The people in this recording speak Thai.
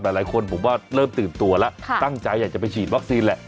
หลายคนผมว่าเริ่มตื่นตัวแล้วตั้งใจอยากจะไปฉีดวัคซีนแหละ